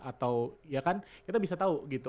atau ya kan kita bisa tahu gitu